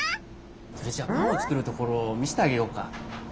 それじゃあパンを作るところを見せてあげようか。